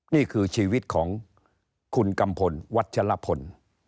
นี่คือชีวิตของคุณกัมพลวัชลพล